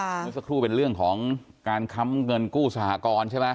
เมื่อสักครู่เป็นเรื่องของการค้ำเงินกู้สหกรณ์ใช่ไหม